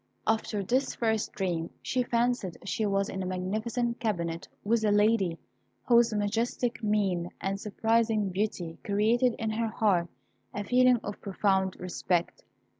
After this first dream, she fancied she was in a magnificent cabinet with a lady, whose majestic mien and surprising beauty created in her heart a feeling of profound respect.